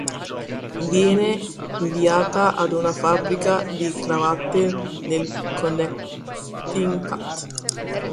Viene inviata ad una fabbrica di cravatte nel Connecticut.